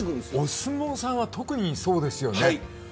お相撲さんは特にそうですよね。